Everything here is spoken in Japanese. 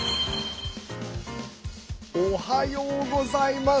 おはようございます。